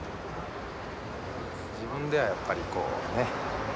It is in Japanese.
自分ではやっぱりこうね